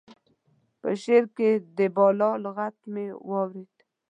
په شعر کې د بالا لغت مې واورېد.